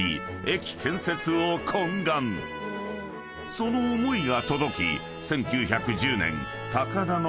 ［その思いが届き］